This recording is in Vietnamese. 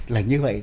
là như vậy